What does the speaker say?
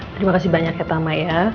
terima kasih banyak ya tama ya